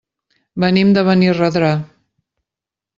Venim de Benirredrà.